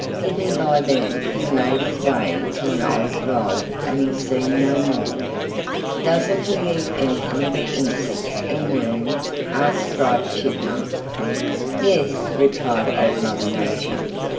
Hidden by them he made his way to an old log and was seen no more. "Doesn't he eat anything but insects and worms?" asked Striped Chipmunk. "Yes," replied Old Mother Nature.